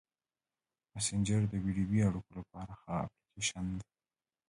مسېنجر د ویډیويي اړیکو لپاره ښه اپلیکیشن دی.